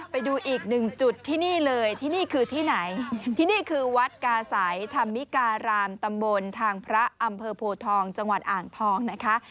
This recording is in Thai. ไปดูอีกหนึ่งจุดที่นี่เลยที่นี่คือที่ไหนที่นี่คือวัดกาศัยธรรมิการามตำบลทางพระอำเภอโพทองจังหวัดอ่างทองนะคะ